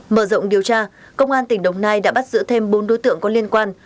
mở rộng điều tra công an tỉnh đồng nai đã bắt giữ thêm bốn đối tượng có liên quan